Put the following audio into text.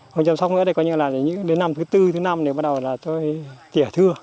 không phải chăm sóc nữa thì có như là đến năm thứ tư thứ năm thì bắt đầu là tỉa thưa